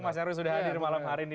mas nyarwi sudah hadir malam hari ini